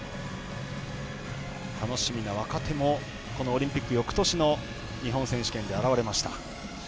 楽しみな若手もこのオリンピックよくとしの日本選手権で現れました。